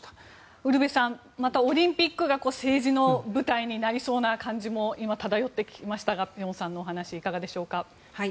ウルヴェさんオリンピックが政治の舞台になりそうな感じも今、漂ってきましたが辺さんのお話いかがでしょうか。